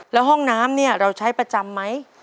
แล้วห้องน้ำเนี่ยเราใช้ประจำไหม